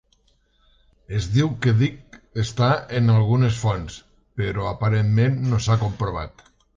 Es diu que Dek està en algunes fonts, però aparentment no s'ha comprovat.